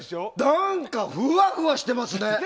何かふわふわしてますね。